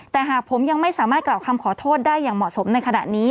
แต่หากผมยังไม่สามารถกล่าวคำขอโทษได้อย่างเหมาะสมในขณะนี้